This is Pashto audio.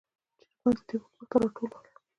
چرګان د دیواله بیخ ته راټول ول.